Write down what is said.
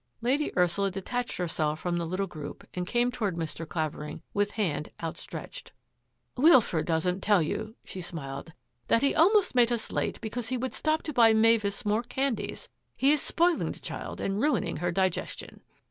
Lady Ursula detached herself from the little group and came toward Mr. Clavering with hand outstretched. " Wilfred doesn't tell you," she smiled, " that he almost made us late because he would stop to buy Mavis more candies. He is spoiling the child and ruining her digestion."